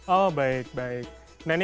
oh baik baik nah ini